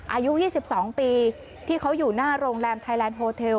อายุ๒๒ปีที่เขาอยู่หน้าโรงแรมไทยแลนด์โฮเทล